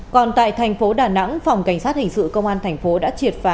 còn tại thành phố đà nẵng phòng cảnh sát hình sự công an thành phố đã triệt phá